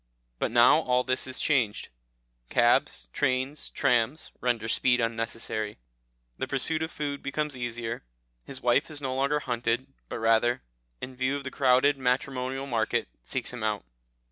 But now all this is changed. Cabs, trains, trams, render speed unnecessary, the pursuit of food becomes easier; his wife is no longer hunted, but rather, in view of the crowded matrimonial market, seeks him out.